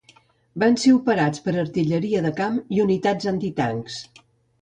Van ser operats per artilleria de camp i unitats antitancs.